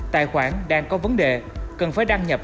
tài khoản đang có vấn đề cần phải đăng nhập